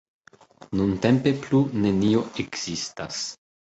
Nuntempe plu nenio ekzistas.